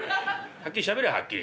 はっきりしゃべれよはっきり」。